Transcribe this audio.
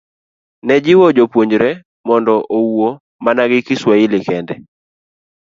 ne jiwo jopuonjre mondo owuo mana gi Kiswahili kende.